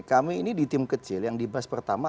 kami ini di tim kecil yang dibahas pertama